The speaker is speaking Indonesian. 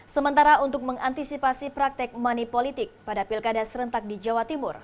sementara untuk mengantisipasi praktek money politik pada pilkada serentak di jawa timur